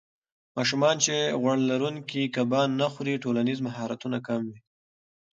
ماشومان چې غوړ لرونکي کبان نه خوري، ټولنیز مهارتونه کم وي.